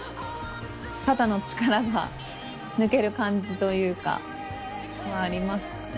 肩の力が抜ける感じというかもありますかね